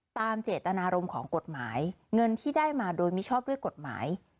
ตามเจตนารมณ์ของกฎหมายเงินที่ได้มาโดยมิชอบด้วยกฎหมาย